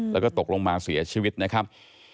แล้วก็ตกลงมาเสียชีวิตนะครับ